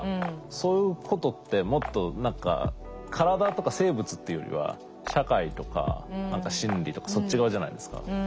そういうことってもっと何か体とか生物っていうよりは社会とか心理とかそっち側じゃないですか。